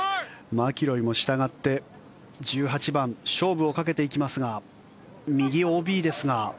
マキロイも、したがって１８番勝負をかけていきますが右ＯＢですが。